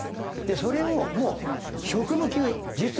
それをもう職務給実力。